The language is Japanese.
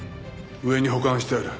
上に保管してある。